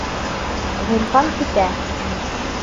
Ғирфан китә.